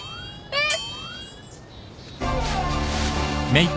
えっ？